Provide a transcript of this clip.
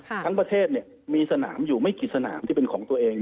ทั้งประเทศมีสนามอยู่ไม่กี่สนามที่เป็นของตัวเอง